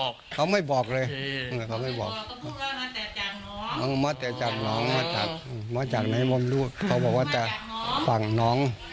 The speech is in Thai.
ขอบอกว่าจะฟังน้อง